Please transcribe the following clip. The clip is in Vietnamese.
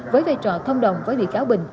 với vai trò thông đồng với bị cáo bình